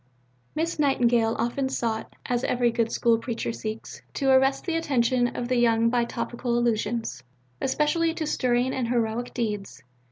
Miss Nightingale often sought, as every good School Preacher seeks, to arrest the attention of the young by topical allusions, especially to stirring and heroic deeds.